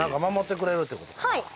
はい。